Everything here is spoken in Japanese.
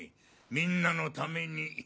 みんなのために。